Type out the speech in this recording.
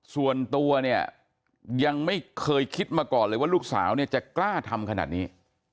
ส่วนตัวเนี่ยยังไม่เคยคิดมาก่อนเลยว่าลูกสาวเนี่ยจะกล้าทำขนาดนี้